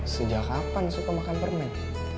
sejak kapan suka makan permen